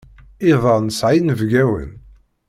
Iḍ-a nesɛa inebgawen.